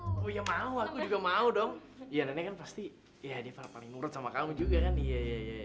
oh ya mau aku juga mau dong ya nenek kan pasti ya dia paling murah sama kamu juga kan iya iya iya